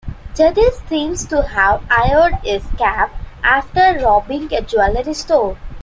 Jadis seems to have "hired" his cab after robbing a jewellery store.